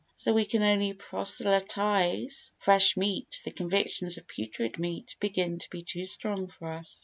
So we can only proselytise fresh meat, the convictions of putrid meat begin to be too strong for us.